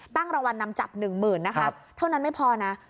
รางวัลนำจับหนึ่งหมื่นนะคะเท่านั้นไม่พอนะ